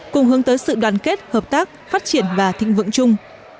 cùng hướng tới sự đoàn kết hợp tác phát triển và thịnh vượng chung